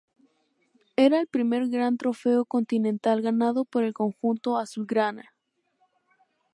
Era el primer gran trofeo continental ganado por el conjunto azulgrana.